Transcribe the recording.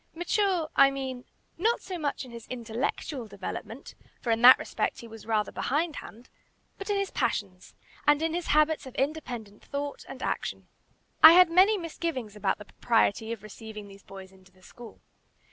Mature, I mean, not so much in his intellectual development, for in that respect he was rather behindhand, but in his passions, and in his habits of independent thought and action. I had many misgivings about the propriety of receiving these boys into the school.